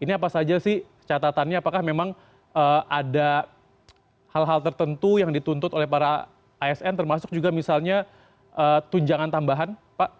ini apa saja sih catatannya apakah memang ada hal hal tertentu yang dituntut oleh para asn termasuk juga misalnya tunjangan tambahan pak